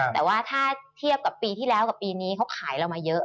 แต่ว่าถ้าเทียบกับปีที่แล้วกับปีนี้เขาขายเรามาเยอะ